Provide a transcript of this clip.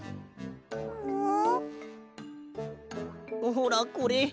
ほらこれ。